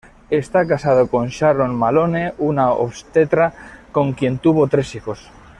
Está casado con Sharon Malone, una obstetra, con quien tuvo tres hijos.